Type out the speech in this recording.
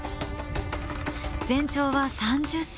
全長は３０ｃｍ。